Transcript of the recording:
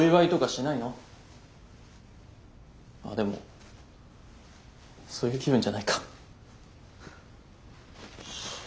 あでもそういう気分じゃないか。